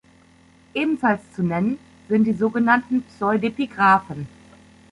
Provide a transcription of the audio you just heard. Ebenfalls zu nennen sind die sogenannten Pseudepigraphen.